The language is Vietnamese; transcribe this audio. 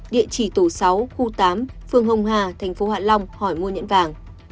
địa chỉ tổ sáu khu tám phường hồng hà tp hạ long hỏi mua nhẫn vàng